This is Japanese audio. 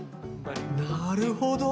なるほど！